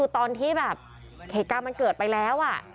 ตอนที่แบบเขตกรรมันเกิดไปแล้วอ่ะ